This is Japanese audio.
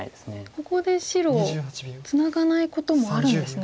ここで白ツナがないこともあるんですね。